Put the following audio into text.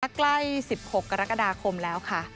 ใกล้๑๖กรกฎาคมแล้วค่ะ